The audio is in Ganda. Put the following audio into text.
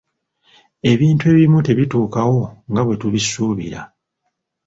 Ebintu ebimu tebituukawo nga bwe tubisuubira.